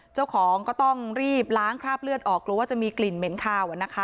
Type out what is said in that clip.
เจ้าของก็ต้องรีบล้างคราบเลือดออกกลัวว่าจะมีกลิ่นเหม็นคาวนะคะ